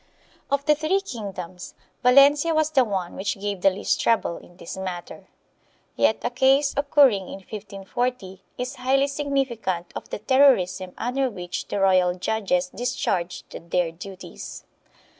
Of the three kingdoms Valencia was the one which gave the least trouble in this matter. Yet a case occurring in 1540 is highly significant of the terrorism under which the royal judges discharged their duties.